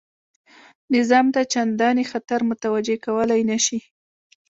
نظام ته چنداني خطر متوجه کولای نه شي.